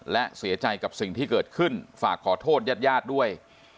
และเสียใจกับสิ่งที่เกิดขึ้นฝากขอโทษญาติญาติด้วย